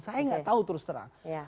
saya nggak tahu terus terang